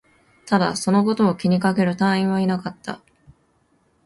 ただ、そのことを気にかける隊員はいなかった